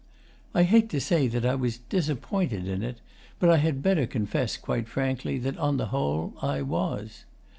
I hate to say that I was disappointed in it, but I had better confess quite frankly that, on the whole, I was.